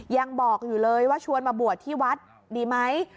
ยังบอกอยู่เลยว่าชวนมาบวชที่วัดดีไหม